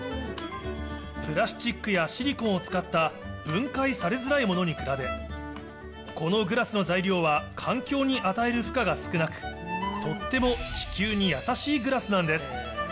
プラスチックやシリコンを使った分解されづらいものに比べ、このグラスの材料は環境に与える負荷が少なく、とっても地球に優しいグラスなんです。